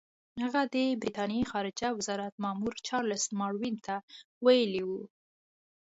هغه د برټانیې خارجه وزارت مامور چارلس ماروین ته ویلي وو.